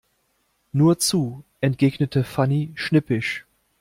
Nur zu, entgegnet Fanny schnippisch.